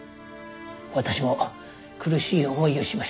私も苦しい思いをしました。